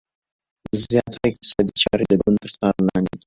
زیاتره اقتصادي چارې د ګوند تر څار لاندې دي.